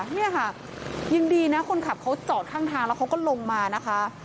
นี่ค่ะยังดีนะคนขับเขาจอดข้างทางแล้วเขาก็ลงมานะคะ